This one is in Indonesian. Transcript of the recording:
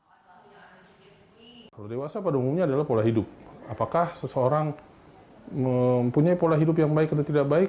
kanker darah yang terkenal oleh dewasa pada umumnya adalah pola hidup apakah seseorang mempunyai pola hidup yang baik atau tidak baik